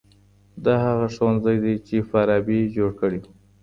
دا هغه ښوونځی دی چي فارابي جوړ کړی و.